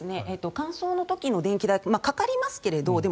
乾燥の時の電気代ってかかりますがでも